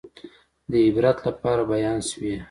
د عبرت لپاره بیان شوي.